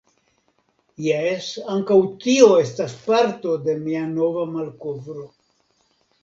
Jes, ankaŭ tio estas parto de mia nova malkovro.